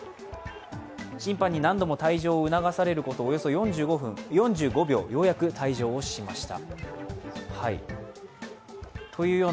審判に何度も退場を促されることおよそ４５秒ようやく退場をしました。